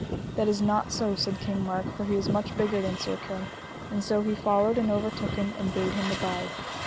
That is not so, said King Mark, for he is much bigger than Sir Kay; and so he followed and overtook him, and bade him abide.